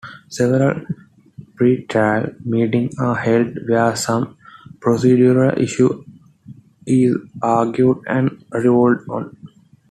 Several pretrial meetings are held where some procedural issue is argued and ruled on.